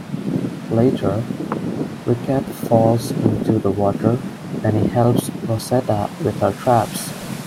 Later, Riquet falls into the water when he helps Rosetta with her traps.